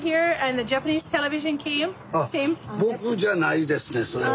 僕じゃないですねそれは。